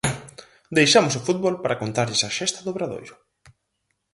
Deixamos o fútbol para contarlles a xesta do Obradoiro.